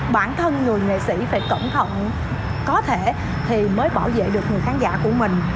bản thân người nghệ sĩ phải cẩn thận có thể thì mới bảo vệ được người khán giả của mình